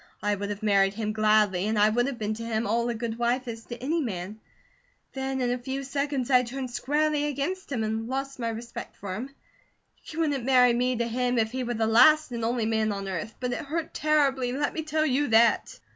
I would have married him gladly, and I would have been to him all a good wife is to any man; then in a few seconds I turned squarely against him, and lost my respect for him. You couldn't marry me to him if he were the last and only man on earth; but it hurt terribly, let me tell you that!"